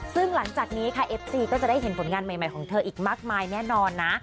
ซึ่งหลังจากนี้ค่ะเอฟซีก็จะได้เห็นผลงานใหม่ของเธออีกมากมายแน่นอนนะ